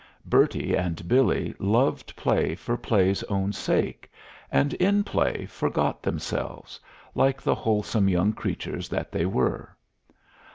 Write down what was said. Bertie and Billy loved play for play's own sake, and in play forgot themselves, like the wholesome young creatures that they were.